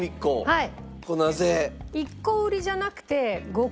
はい。